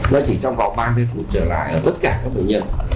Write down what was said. nó chỉ trong vòng ba mươi phút trở lại ở tất cả các bệnh nhân